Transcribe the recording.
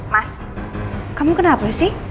mas kamu kenapa sih